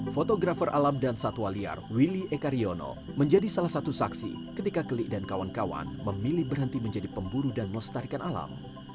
fotografer alam dan satwa liar willy ekariono menjadi salah satu saksi ketika keli dan kawan kawan memilih berhenti menjadi pemburu dan melestarikan alam